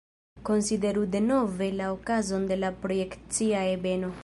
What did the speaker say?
Konsideru denove la okazon de la projekcia ebeno.